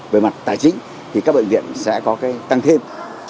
về mặt tài chính thì các bệnh viện sẽ có cái tăng thêm